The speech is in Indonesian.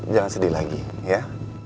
jangan sedih lagi ya